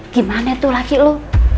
gimana tuh lagi lu